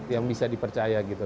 yang bisa dipercaya gitu